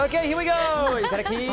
いただき！